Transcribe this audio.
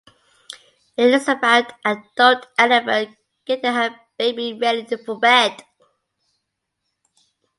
It is about an adult elephant getting her baby ready for bed.